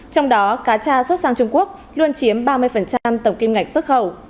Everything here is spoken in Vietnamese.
trong đó cá tra xuất sang trung quốc luôn chiếm ba mươi tổng kim ngạch xuất khẩu